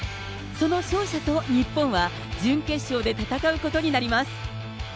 その勝者と日本は準決勝で戦うことになります。